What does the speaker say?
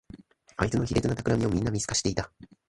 あいつの卑劣なたくらみをみんな見透かしていた